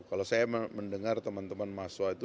kalau saya mendengar teman teman mahasiswa itu